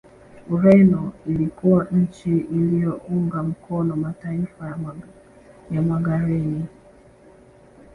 Ureno ilikuwa nchi iliyounga mkono mataifa ya Magharini